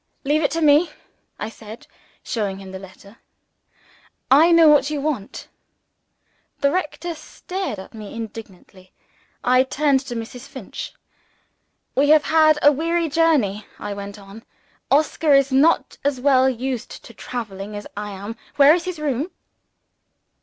"Leave it to me," I said, showing him the letter. "I know what you want." The rector stared at me indignantly. I turned to Mrs. Finch. "We have had a weary journey," I went on. "Oscar is not so well used to traveling as I am. Where is his room?"